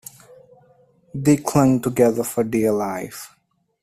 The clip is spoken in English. They clung together for dear life